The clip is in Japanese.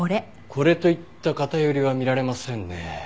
これといった偏りは見られませんね。